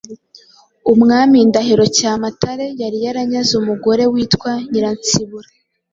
Umwami Ndahiro Cyamatare yari yaranyaze umugore witwa Nyiransibura